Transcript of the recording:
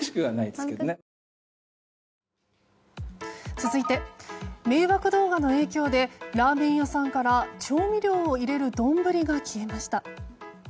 続いて、迷惑動画の影響でラーメン屋さんから調味料を入れる丼が消えました。